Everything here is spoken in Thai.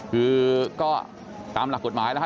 คือก็ตามหลักกฎหมายแล้วฮ